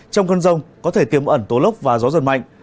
trong cơn rông có thể tiêm ẩn tố lốc và gió giật mạnh